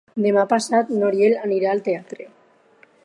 Demà passat n'Oriol anirà al teatre.